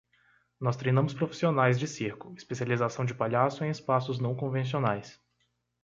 Nós treinamos profissionais de circo: especialização de palhaço em espaços não convencionais.